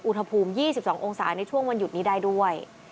อุณหภูมิ๒๒องศาในช่วงวันหยุดนี้ได้ด้วย